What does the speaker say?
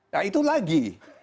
nah itu lagi